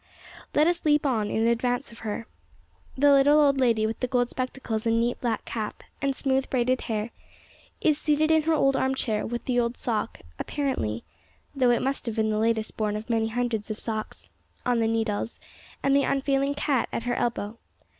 Let us leap on in advance of her. The little old lady with the gold spectacles and neat black cap, and smooth, braided hair, is seated in her old arm chair, with the old sock, apparently though it must have been the latest born of many hundreds of socks on the needles, and the unfailing cat at her elbow.